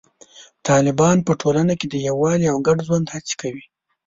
طالبان په ټولنه کې د یووالي او ګډ ژوند هڅې کوي.